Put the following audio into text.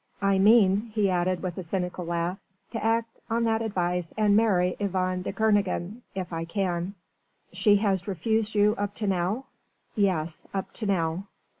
I mean," he added with a cynical laugh, "to act on that advice and marry Yvonne de Kernogan ... if I can." "She has refused you up to now?" "Yes ... up to now."